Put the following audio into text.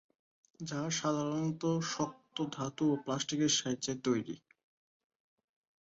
যা সাধারণত শক্ত ধাতু বা প্লাস্টিকের সাহায্যে তৈরি।